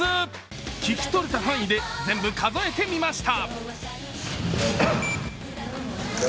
聞き取れた範囲で全部数えてみました。